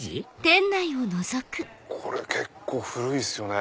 これ結構古いっすよね。